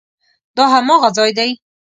دا هماغه ځای دی؟